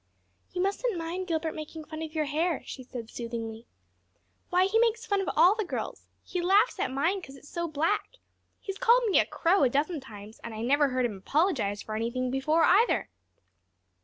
"You mustn't mind Gilbert making fun of your hair," she said soothingly. "Why, he makes fun of all the girls. He laughs at mine because it's so black. He's called me a crow a dozen times; and I never heard him apologize for anything before, either."